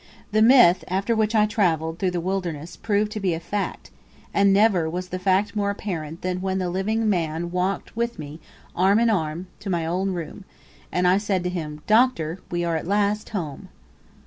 The myth after which I travelled through the wilderness proved to be a fact; and never was the fact more apparent than when the Living Man walked with me arm in arm to my old room, and I said to him, "Doctor, we are at last HOME!"